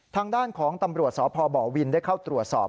ทางด้านของตำรวจสพบวินได้เข้าตรวจสอบ